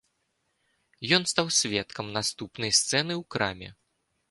Ён стаў сведкам наступнай сцэны ў краме.